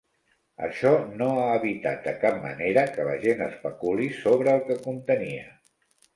Això no ha evitat de cap manera que la gent especuli sobre el que contenia.